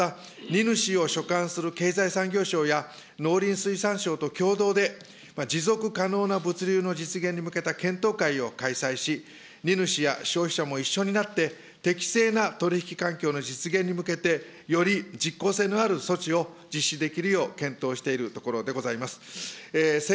また、荷主を所管する経済産業省や、農林水産省と共同で、持続可能な物流の実現に向けた検討会を開催し、荷主や消費者も一緒になって、適正な取り引き環境の実現に向けて、より実効性のある措置を実施できるよう検討しているところでございます。